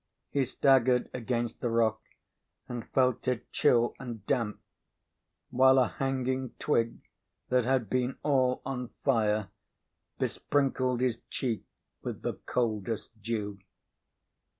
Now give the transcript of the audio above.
He staggered against the rock, and felt it chill and damp; while a hanging twig, that had been all on fire, besprinkled his cheek with the coldest dew.